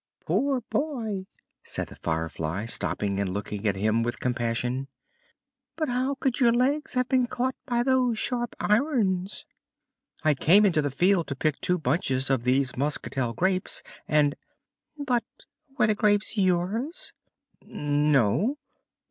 "Poor boy!" said the Firefly, stopping and looking at him with compassion; "but how could your legs have been caught by those sharp irons?" "I came into the field to pick two bunches of these Muscatel grapes, and " "But were the grapes yours?" "No."